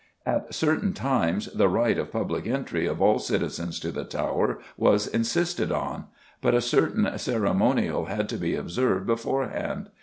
At certain times "the right of public entry" of all citizens to the Tower was insisted on. But a certain ceremonial had to be observed beforehand.